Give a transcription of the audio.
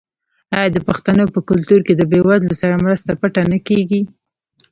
آیا د پښتنو په کلتور کې د بې وزلو سره مرسته پټه نه کیږي؟